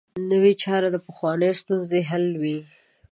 نوې چاره پخوانۍ ستونزه حلوي